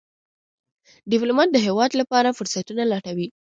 ډيپلومات د هېواد لپاره فرصتونه لټوي.